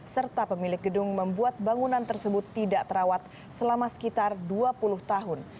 serta pemilik gedung membuat bangunan tersebut tidak terawat selama sekitar dua puluh tahun